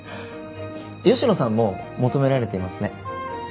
吉野さんも求められていますね。